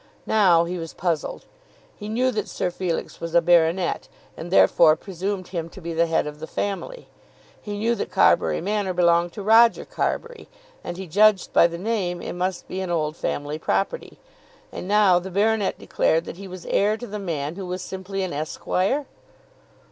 Now he was puzzled. He knew that Sir Felix was a baronet, and therefore presumed him to be the head of the family. He knew that Carbury Manor belonged to Roger Carbury, and he judged by the name it must be an old family property. And now the baronet declared that he was heir to the man who was simply an Esquire.